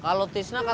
van latjeun cuhan